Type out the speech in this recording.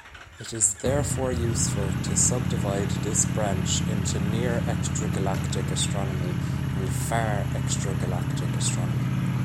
It is therefore useful to sub-divide this branch into Near-Extragalactic Astronomy and Far-Extragalactic Astronomy.